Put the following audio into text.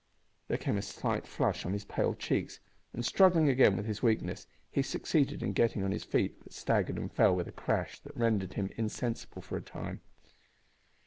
There came a slight flush on his pale cheeks, and, struggling again with his weakness, he succeeded in getting on his feet, but staggered and fell with a crash that rendered him insensible for a time.